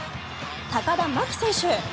高田真希選手。